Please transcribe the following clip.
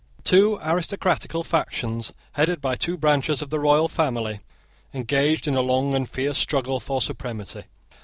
Two aristocratical factions, headed by two branches of the royal family, engaged in a long and fierce struggle for supremacy.